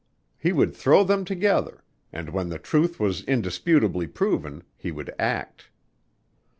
He would throw them together and when the truth was indisputably proven he would act.